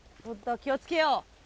気をつけよう。